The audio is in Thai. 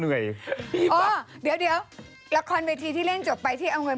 อ๋อเดี๋ยวเดี๋ยวละครเวทีที่เล่นจบไปที่เอาเงิน